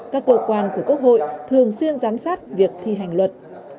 các cơ quan của quốc hội thường xuyên giám sát việc thi hành luật